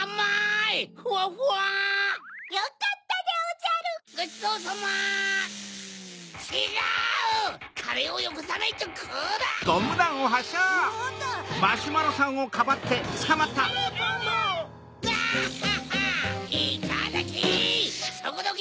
いっただき！